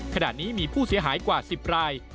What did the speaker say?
ขณะนี้มีผู้เสียหายกว่า๑๐ราย